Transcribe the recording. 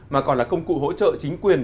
mà còn là công cụ hỗ trợ chính quyền